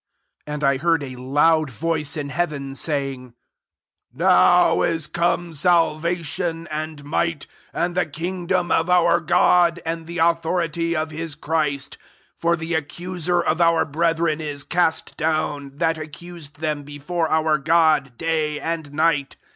* 10 And I heard i loud voice in heaven, saying, " Now is come salvation, and might, and the kingdom of our God, and the authority of his Christ : for the accuser of ow brethren is cast down, that ac cused them before our God day and night.